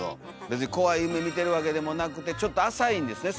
別に怖い夢見てるわけでもなくてちょっと浅いんですね